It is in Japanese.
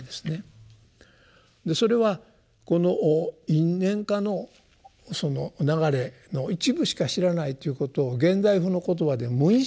それはこの「因・縁・果」のその流れの一部しか知らないということを現代風の言葉で無意識の。